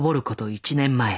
１年前。